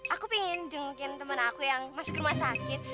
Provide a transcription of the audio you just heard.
aku pingin jengukin temen aku yang masuk rumah sakit